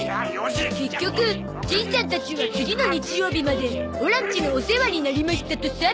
結局じいちゃんたちは次の日曜日までオラんちのお世話になりましたとさ